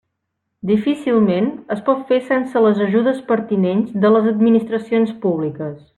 Difícilment es pot fer sense les ajudes pertinents de les administracions públiques.